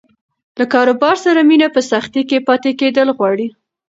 له کاروبار سره مینه په سختۍ کې پاتې کېدل غواړي.